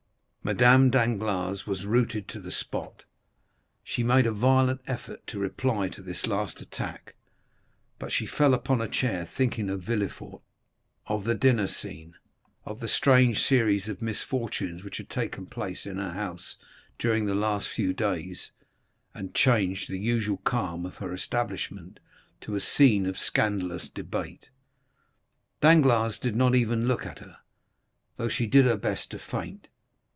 Madame Danglars was rooted to the spot; she made a violent effort to reply to this last attack, but she fell upon a chair thinking of Villefort, of the dinner scene, of the strange series of misfortunes which had taken place in her house during the last few days, and changed the usual calm of her establishment to a scene of scandalous debate. Danglars did not even look at her, though she did her best to faint.